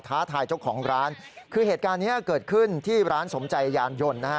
ท้าทายเจ้าของร้านคือเหตุการณ์เนี้ยเกิดขึ้นที่ร้านสมใจยานยนต์นะฮะ